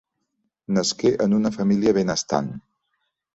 Nasqué en una família benestant.